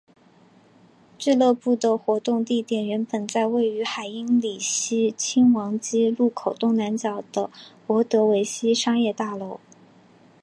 俱乐部的活动地点原本在位于海因里希亲王街路口东南角的博德维希商业大楼。